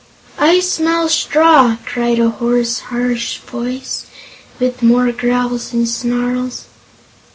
"I smell straw!" cried a hoarse, harsh voice, with more growls and snarls.